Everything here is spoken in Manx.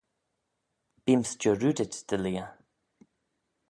Beem's jarroodit dy lheah.